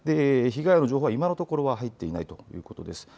被害の情報は今のところ入っていないということです。